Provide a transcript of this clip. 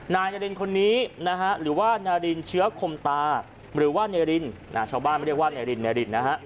นายลินคนนี้หรือว่านายลินเชื้อคมตาหรือว่านายลินชาวบ้านไม่ได้ว่านายลินนายลินนะฮะ